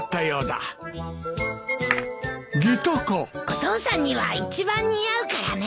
お父さんには一番似合うからね。